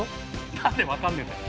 何で分かんねえんだよ。